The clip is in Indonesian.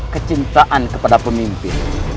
kecintaan kepada pemimpin